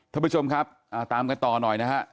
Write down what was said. ท่านผู้ชมครับตามกันต่อหน่อยนะฮะ